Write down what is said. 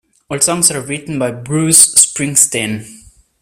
All songs are written by Bruce Springsteen.